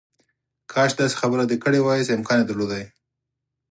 کاش داسې خبره دې کړې وای چې امکان یې درلودای